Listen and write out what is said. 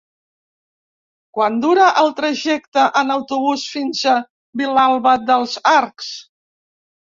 Quant dura el trajecte en autobús fins a Vilalba dels Arcs?